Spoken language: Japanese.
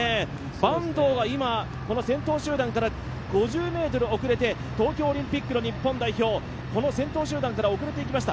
坂東が今、先頭集団から５０ｍ遅れて東京オリンピックの日本代表が先頭集団から遅れていきました。